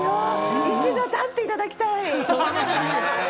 一度立っていただきたい。